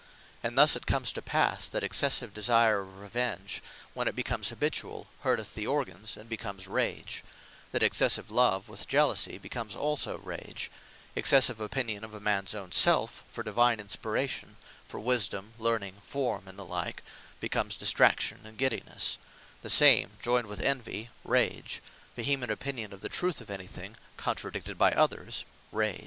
And thus it comes to passe that excessive desire of Revenge, when it becomes habituall, hurteth the organs, and becomes Rage: That excessive love, with jealousie, becomes also Rage: Excessive opinion of a mans own selfe, for divine inspiration, for wisdome, learning, forme, and the like, becomes Distraction, and Giddinesse: the same, joyned with Envy, Rage: Vehement opinion of the truth of any thing, contradicted by others, Rage.